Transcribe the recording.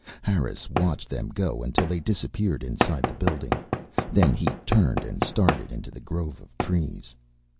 Harris watched them go until they disappeared inside the building. Then he turned and started into the grove of trees.